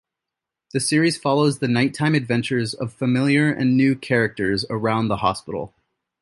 The series follows the nighttime adventures of familiar and new characters around the hospital.